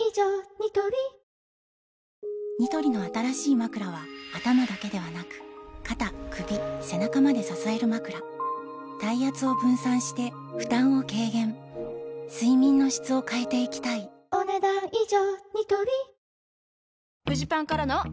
ニトリニトリの新しいまくらは頭だけではなく肩・首・背中まで支えるまくら体圧を分散して負担を軽減睡眠の質を変えていきたいお、ねだん以上。